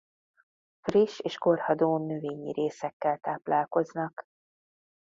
Friss és korhadó növényi részekkel táplálkoznak.